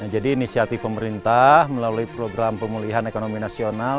jadi inisiatif pemerintah melalui program pemulihan ekonomi nasional